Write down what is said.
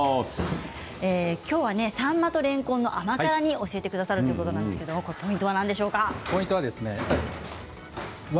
きょうはさんまとれんこんの甘辛煮を教えてくださるということなんですがポイントはなんでしょうか。